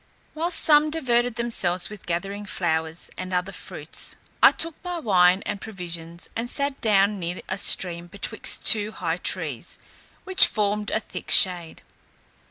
Whilst some diverted themselves with gathering flowers, and other fruits, I took my wine and provisions, and sat down near a stream betwixt two high trees, which formed a thick shade.